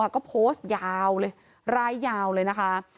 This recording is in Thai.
ก็โพสต์ยาวเลยร้ายยาวเลยนะคะ